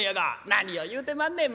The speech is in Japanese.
「何を言うてまんねん。